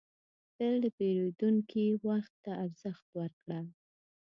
تل د پیرودونکي وخت ته ارزښت ورکړه.